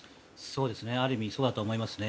ある意味そうだと思います。